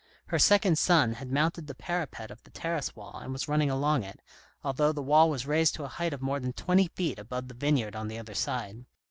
Her second son had mounted the parapet of the terrace wall and was running along it, although the wall was raised to a height of more than twenty feet above the vineyard on the other side.